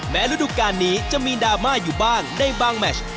ฤดูการนี้จะมีดราม่าอยู่บ้างในบางแมช